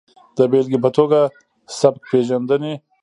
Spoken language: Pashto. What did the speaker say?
د بېلګې په ټوګه سبک پېژندنې